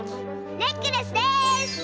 ネックレスです！